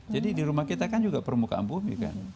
jadi di rumah kita kan juga permukaan bumi kan